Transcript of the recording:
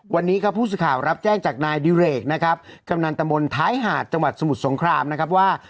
วันนี้ครับผู้สื่อข่าวรับแจ้งจากนายดิเรกนะครับกำนันตะมนต์ท้ายหาดจังหวัดสมุทรสงครามนะครับว่า